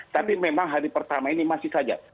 tapi memang hari pertama ini masih saja